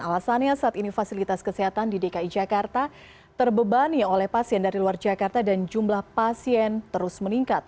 alasannya saat ini fasilitas kesehatan di dki jakarta terbebani oleh pasien dari luar jakarta dan jumlah pasien terus meningkat